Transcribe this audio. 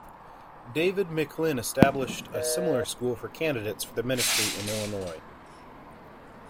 David McLin established a similar school for candidates for the ministry in Illinois.